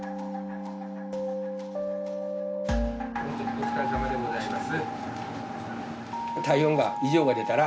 お疲れさまでございます。